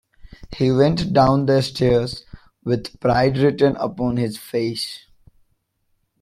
He went down the stairs with pride written upon his face.